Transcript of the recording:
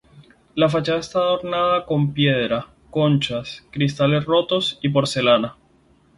La fachada está adornada con piedra, conchas, cristales rotos y porcelanas.